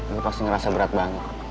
ini pasti ngerasa berat banget